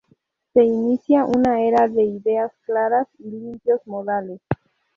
Se inicia una era de ideas claras y limpios modales.